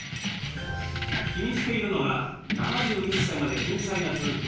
気にしているのが７１歳まで返済が続く